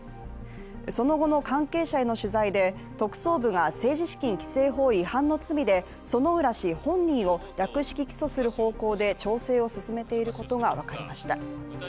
その後の関係者への取材で特捜部が政治資金規正法違反の疑いで薗浦氏本人を略式起訴する方向で調整を進めていることが分かりました。